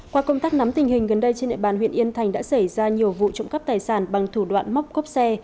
qua công tác nắm tình hình gần đây trên địa bàn huyện yên thành đã xảy ra nhiều vụ trọng cấp tài sản bằng thủ đoạn móc cốp xe